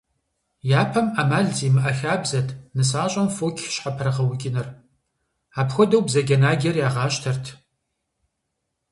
Япэм Ӏэмал зимыӀэ хабзэт нысащӀэм фоч щхьэпрыгъэукӀыныр – апхуэдэу бзаджэнаджэр ягъащтэрт.